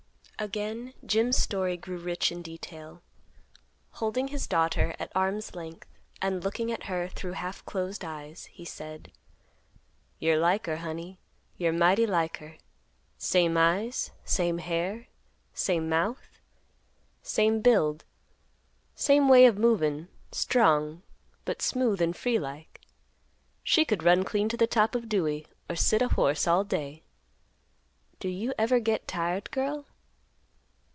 Again Jim's story grew rich in detail. Holding his daughter at arm's length, and looking at her through half closed eyes, he said, "You're like her, honey; you're mighty like her; same eyes, same hair, same mouth, same build, same way of movin', strong, but smooth and free like. She could run clean to the top of Dewey, or sit a horse all day. Do you ever get tired, girl?"